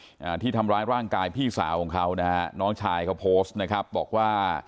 อ่าที่ทำร้ายร่างกายพี่สาวของเขานะฮะน้องชายเขาโพสต์นะครับบอกว่า